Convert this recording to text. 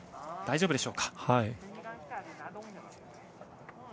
大丈夫でしょうか。